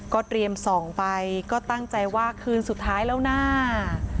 เตรียมส่องไปก็ตั้งใจว่าคืนสุดท้ายแล้วนะ